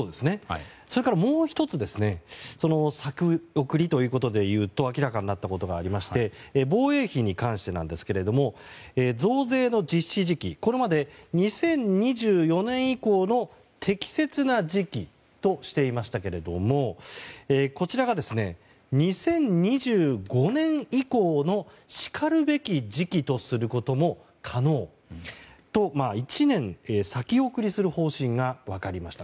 それから、もう１つ先送りということで言うと明らかになったことがありまして防衛費に関してなんですけども増税の実施時期はこれまで２０２４年以降の適切な時期としていましたけどもこちらが２０２５年以降のしかるべき時期とすることも可能と１年、先送りする方針が分かりました。